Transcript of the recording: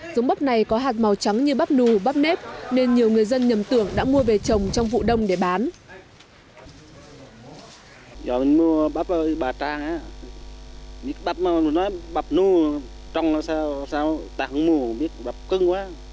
giống bắp này có hạt màu trắng như bắp nù bắp nếp nên nhiều người dân nhầm tưởng đã mua về trồng trong vụ đông để bán